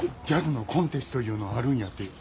ジャズのコンテストいうのんあるんやて。